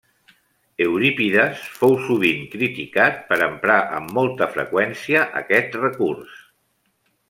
Eurípides fou sovint criticat per emprar amb molta freqüència aquest recurs.